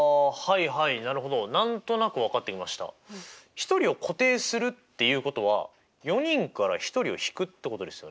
１人を固定するっていうことは４人から１人を引くってことですよね。